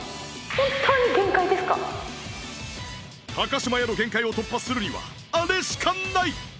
島屋の限界を突破するにはあれしかない！